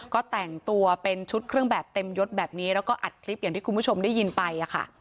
ก็แต่งตัวเป็นชุดเครื่องแบบเต็มยดแบบนี้แล้วก็อัดคลิปอย่างที่คุณผู้ชมได้ยินไปค่ะ